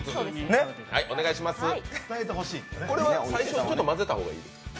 これは最初、ちょっとまぜた方がいい？